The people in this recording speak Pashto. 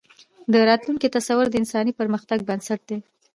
د راتلونکي تصور د انساني پرمختګ بنسټ دی.